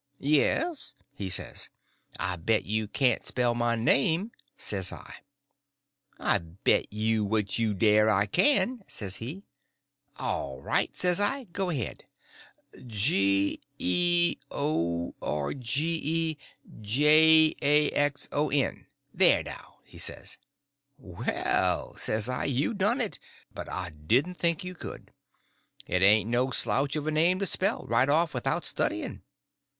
"Yes," he says. "I bet you can't spell my name," says I. "I bet you what you dare I can," says he. "All right," says I, "go ahead." "G e o r g e J a x o n—there now," he says. "Well," says I, "you done it, but I didn't think you could. It ain't no slouch of a name to spell—right off without studying."